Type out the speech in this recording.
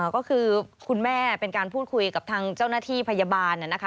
ก็คือคุณแม่เป็นการพูดคุยกับทางเจ้าหน้าที่พยาบาลนะคะ